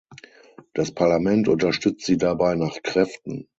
Das Parlament unterstützt sie dabei nach Kräften.